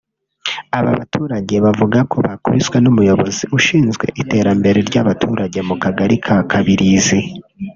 Aba baturage bavuga ko bakubiswe n’Umuyobozi ushinzwe iterambere ry’abaturage mu kagari ka Kabilizi